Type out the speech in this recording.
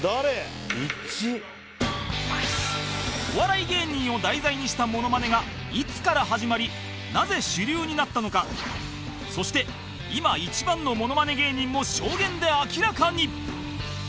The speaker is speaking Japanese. お笑い芸人を題材にしたモノマネがいつから始まりなぜ主流になったのかそして今一番のモノマネ芸人も証言で明らかに